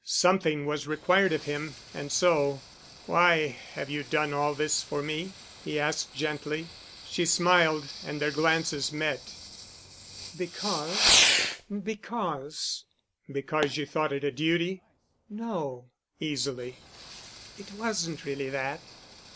Something was required of him and so, "Why have you done all this for me?" he asked gently. She smiled and their glances met. "Because—because——" "Because you thought it a duty?" "No——," easily, "it wasn't really that.